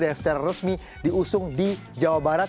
yang secara resmi diusung di jawa barat